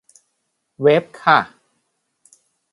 เวฟค่ะ